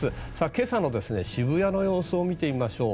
今朝の渋谷の様子を見てみましょう。